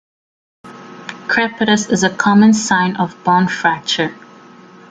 Crepitus is a common sign of bone fracture.